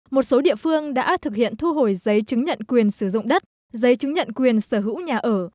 một số địa phương đã thực hiện thu hồi giấy chứng nhận quyền sử dụng đất giấy chứng nhận quyền sở hữu nhà ở